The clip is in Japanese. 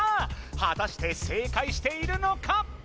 果たして正解しているのか？